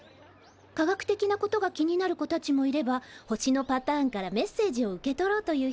科学的なことが気になる子たちもいれば星のパターンからメッセージを受け取ろうという人もいる。